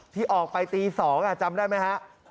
ที่ออกไปตี๒จำได้ไหมฮะ